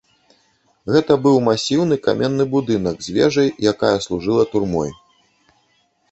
Гэта быў масіўны каменны будынак з вежай, якая служыла турмой.